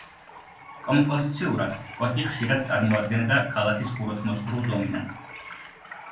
კომპოზიციურად კოშკი ხშირად წარმოადგენდა ქალაქის ხუროთმოძღვრულ დომინანტს.